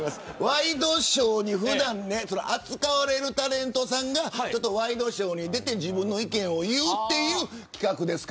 ワイドナショーに普段扱われるタレントさんがワイドショーに出て自分の意見を言う企画です。